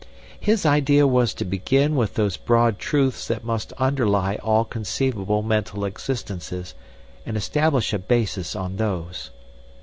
"His idea was to begin with those broad truths that must underlie all conceivable mental existences and establish a basis on those.